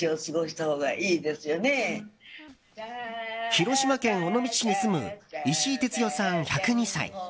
広島県尾道市に住む石井哲代さん、１０２歳。